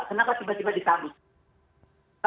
kenapa tiba tiba disahkan